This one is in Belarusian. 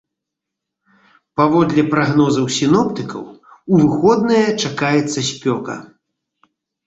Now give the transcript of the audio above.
Паводле прагнозаў сіноптыкаў, у выходныя чакаецца спёка.